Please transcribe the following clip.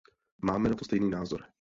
Máme na to stejný názor.